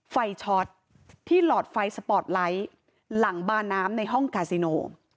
ไฟช็อตที่หลอดไฟสปอร์ตไลท์หลังบาน้ำในห้องกาซิโน